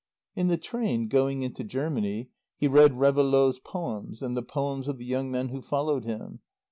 In the train, going into Germany, he read Réveillaud's "Poèmes" and the "Poèmes" of the young men who followed him.